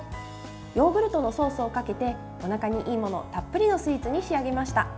ヨーグルトのソースをかけておなかにいいものたっぷりのスイーツに仕上げました。